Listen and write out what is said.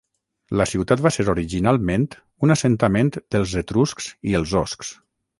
La ciutat va ser originalment un assentament dels etruscs i els oscs.